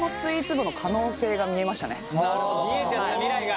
見えちゃった未来が。